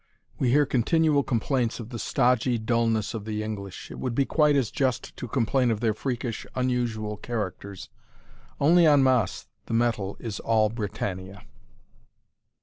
We hear continual complaints of the stodgy dullness of the English. It would be quite as just to complain of their freakish, unusual characters. Only en masse the metal is all Britannia.